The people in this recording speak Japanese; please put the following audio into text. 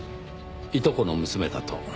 いとこの娘だ」と。